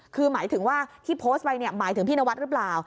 คือหมายถึงว่าที่โพสต์ไปหมายถึงพี่นวัดหรือเปล่า